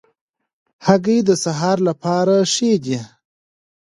هګۍ د سهار لپاره ښې دي.